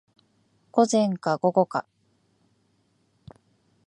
午前か午後か